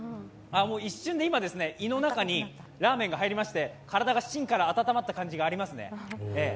一瞬で今、胃の中にラーメンが入りまして体が芯から温まった感じがありますね。